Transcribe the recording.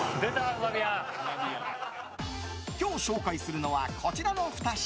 今日紹介するのはこちらの２品。